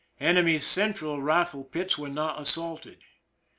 Enemy's cen tral rifie pits were not assaulted.